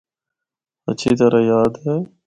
ہَچھی طرح یاد اے۔